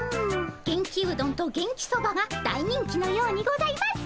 元気うどんと元気そばが大人気のようにございます。